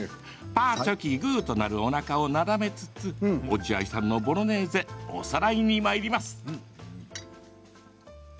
パー、チョキ、グーっと鳴るおなかをなだめつつ落合さんのボロネーゼおさらいにまいります。